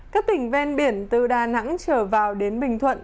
các tỉnh ven biển từ đà nẵng trở vào đến bình thuận